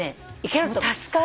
助かる！